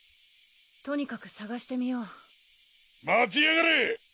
とにかくさがしてみよう待ちやがれ！